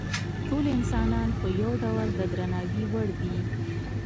ټول انسانان په یو ډول د درناوي وړ دي.